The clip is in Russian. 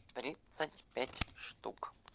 тридцать пять штук